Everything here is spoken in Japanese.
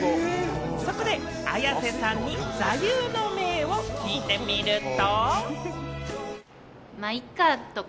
そこで綾瀬さんに座右の銘を聞いてみると。